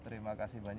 terima kasih banyak